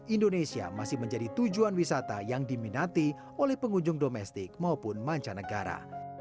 indonesia masih menjadi tujuan wisata yang diminati oleh pengunjung domestik maupun mancanegara